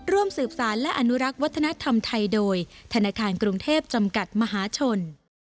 ร่วมสืบสารและอนุรักษ์วัฒนธรรมไทยโดยธนาคารกรุงเทพจำกัดมหาชน